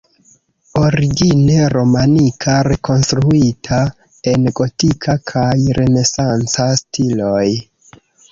Origine romanika, rekonstruita en gotika kaj renesanca stiloj.